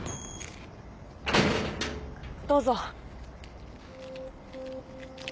どうぞ。